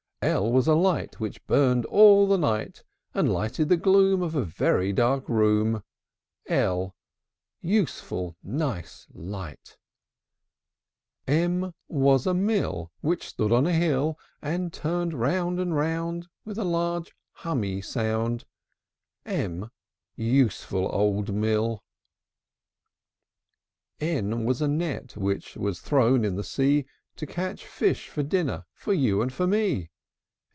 L L was a light Which burned all the night, And lighted the gloom Of a very dark room. l! Useful nice light! M M was a mill Which stood on a hill, And turned round and round With a loud hummy sound. m! Useful old mill! N N was a net Which was thrown in the sea To catch fish for dinner For you and for me.